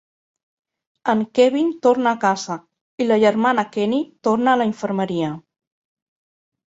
En Kevin torna a casa i la germana Kenny torna a la infermeria.